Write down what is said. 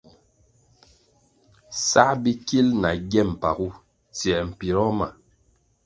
Sā bikil na gye mpagu tsiē mpiroh ma.